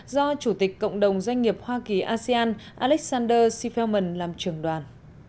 do chủ tịch cộng đồng doanh nghiệp hoa kỳ asean alexander sifelman làm trưởng đoàn